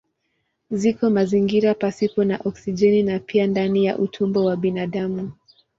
Ziko mazingira pasipo na oksijeni na pia ndani ya utumbo wa binadamu.